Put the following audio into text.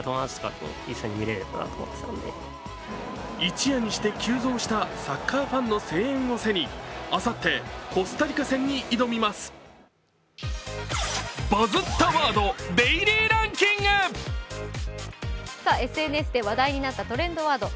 一夜にして急増したサッカーファンの声援を背にあさって、コスタリカ戦に挑みますＳＮＳで話題になったトレンドワード。